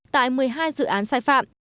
tại một mươi hai dự án sai phạm